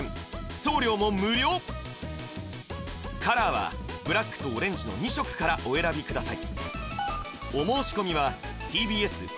送料も無料カラーはブラックとオレンジの２色からお選びください